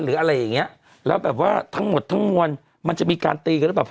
แล้วทั้งหมดทั้งมวลจะมีการตีกันหรือเปล่า